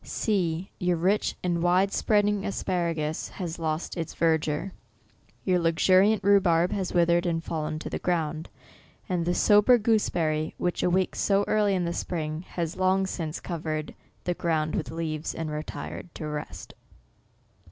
See — your rich and wide spreading asparagus has lost its verdure — your luxuriant rhubarb has withered and fallen to the ground — and the so ber gooseberry, which awakes so early in the spring, has long since covered the ground with leaves, and retired to rest.